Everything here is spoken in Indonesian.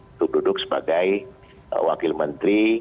untuk duduk sebagai wakil menteri